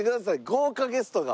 豪華ゲストが。